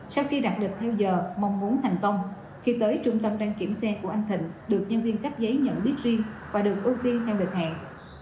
sau khi đặt địch theo giờ mong muốn thành công khi tới trung tâm đăng kiểm xe của anh thịnh được nhân viên cắp giấy nhận biết riêng và được ưu tiên theo địch hàng